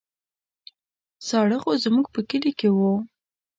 ساړه خو زموږ په کلي کې وو.